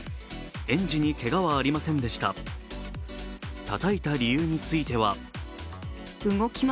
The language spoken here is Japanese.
園児にけがはありませんでした。